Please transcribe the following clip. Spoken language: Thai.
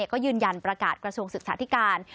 ก็ยืนยันประกาศกระทรวงศึกษาธิการ